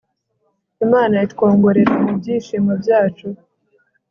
imana itwongorera mu byishimo byacu